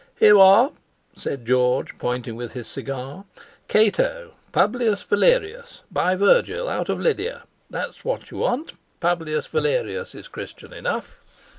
"Here you are!" said George, pointing with his cigar: "Cato Publius Valerius by Virgil out of Lydia. That's what you want. Publius Valerius is Christian enough."